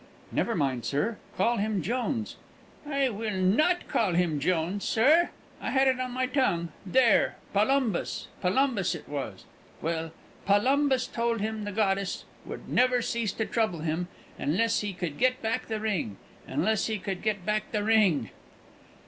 "Never mind, sir; call him Jones." "I will not call him Jones, sir! I had it on my tongue there, Palumbus! Palumbus it was. Well, Palumbus told him the goddess would never cease to trouble him, unless he could get back the ring unless he could get back the ring."